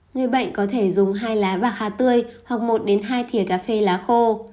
người bệnh có thể dùng hai lá và hà tươi hoặc một hai thịa cà phê lá khô